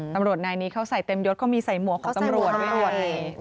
ตำรวจนายนี้เขาใส่เต็มยดเขามีใส่หมวกของตำรวจด้วย